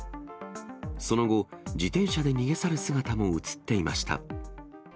その後、自転車で逃げ去る姿も写っていました。